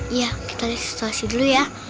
iya kita lihat situasi dulu ya